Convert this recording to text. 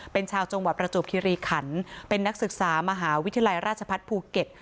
เป็นชาวจังหวัดประจวบคิริขันเป็นนักศึกษามหาวิทยาลัยราชพัฒน์ภูเก็ต